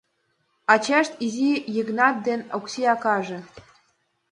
Ачашт, изи Йыгнат ден Окси акаже.